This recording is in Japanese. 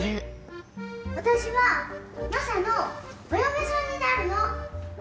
私はマサのお嫁さんになるの！